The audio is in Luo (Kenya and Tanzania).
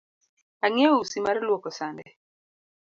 Ang’iewo usi mar luoko sande